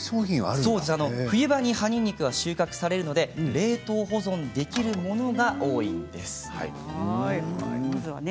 冬場に葉にんにくは収穫されるので、冷凍保存できるものが多いんです。